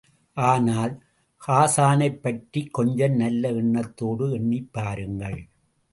ஆனால், ஹாஸானைப் பற்றிக் கொஞ்சம் நல்ல எண்ணத்தோடு எண்ணிப் பாருங்கள்.